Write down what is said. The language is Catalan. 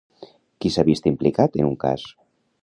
Qui s'ha vist implicat en un cas?